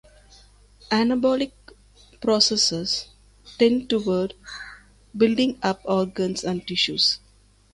Anabolic processes tend toward "building up" organs and tissues.